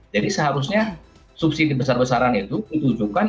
jadi seharusnya subsidi besar besaran itu ditujukan